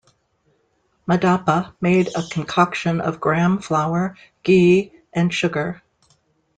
Madappa made a concoction of gram flour, ghee and sugar.